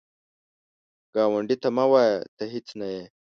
ګاونډي ته مه وایه “ته هیڅ نه یې”